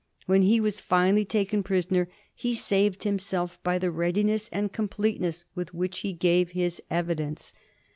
When he was finally taken prisr oner he saved himself by the readiness and complete ness with which he gave his evidence.